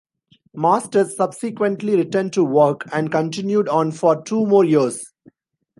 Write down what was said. Masters subsequently returned to work and continued on for two more years.